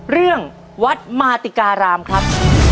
เรื่องวัดมาติการามครับ